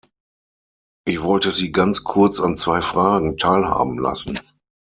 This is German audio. Ich wollte Sie ganz kurz an zwei Fragen teilhaben lassen.